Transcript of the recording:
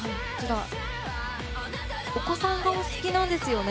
お子さんがお好きなんですよね。